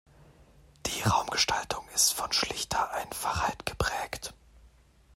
Die Raumgestaltung ist von schlichter Einfachheit geprägt.